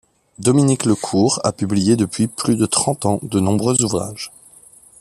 Dominique Lecourt a publié depuis plus de trente ans de nombreux ouvrages.